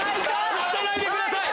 映さないでください！